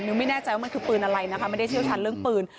ไม่แน่ใจว่ามันคือปืนอะไรนะคะไม่ได้เชี่ยวชาญเรื่องปืน